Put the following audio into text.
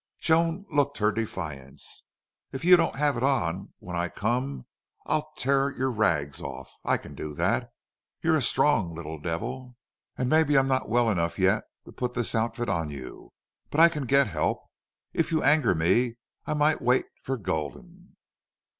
Joan looked her defiance. "If you don't have it on when I come I'll I'll tear your rags off!... I can do that. You're a strong little devil, and maybe I'm not well enough yet to put this outfit on you. But I can get help.... If you anger me I might wait for Gulden!"